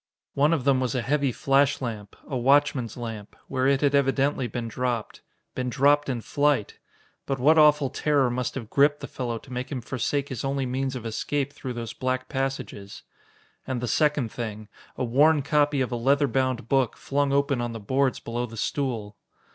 One of them was a heavy flash lamp a watchman's lamp where it had evidently been dropped. Been dropped in flight! But what awful terror must have gripped the fellow to make him forsake his only means of escape through those black passages? And the second thing a worn copy of a leather bound book, flung open on the boards below the stool!